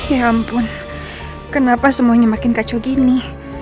ya ampun kenapa semuanya makin kacau gini